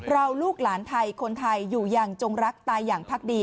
ลูกหลานไทยคนไทยอยู่อย่างจงรักตายอย่างพักดี